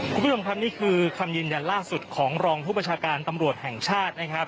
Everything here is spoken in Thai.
คุณผู้ชมครับนี่คือคำยืนยันล่าสุดของรองผู้ประชาการตำรวจแห่งชาตินะครับ